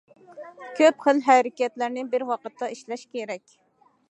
كۆپ خىل ھەرىكەتلەرنى بىر ۋاقىتتا ئىشلەش كېرەك.